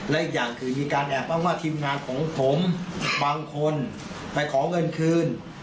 และอีกอย่างคือมีการแอบอ้างว่าทีมงานของผมบางคนไปขอเงินคืน